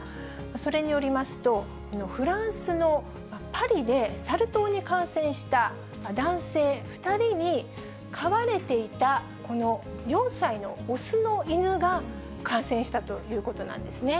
それによりますと、フランスのパリでサル痘に感染した男性２人に飼われていたこの４歳の雄の犬が感染したということなんですね。